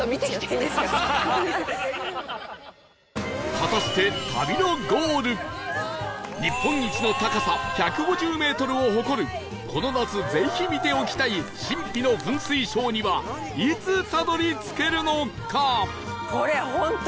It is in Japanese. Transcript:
果たして日本一の高さ１５０メートルを誇るこの夏ぜひ見ておきたい神秘の噴水ショーにはいつたどり着けるのか？